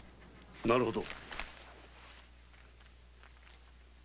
なるほど！